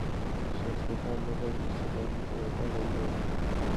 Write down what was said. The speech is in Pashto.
ساینس پوهانو د غږ د سرعت په اړه وویل.